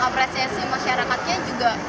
apresiasi masyarakatnya juga